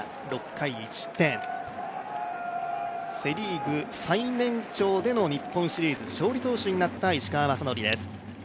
６回１失点、セ・リーグ最年長での日本シリーズ勝利投手になった石川雅規です。